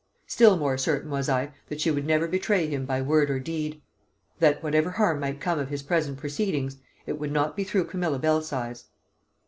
Still more certain was I that she would never betray him by word or deed; that, whatever harm might come of his present proceedings, it would not be through Camilla Belsize.